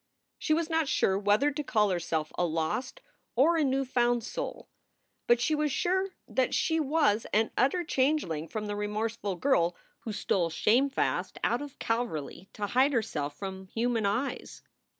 She was not sure whether to call herself a lost or a new found soul, but she was sure that she was an utter changeling from the remorseful girl who stole shamefast out of Calverly to hide herself from human eyes.